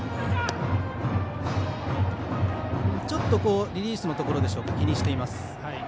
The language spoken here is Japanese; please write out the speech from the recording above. ちょっとリリースのところでしょうか気にしています。